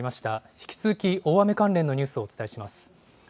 引き続き大雨関連のニュースをお伝えします。